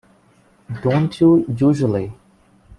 Don't you, usually?